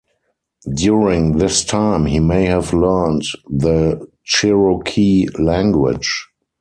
During this time he may have learned the Cherokee language.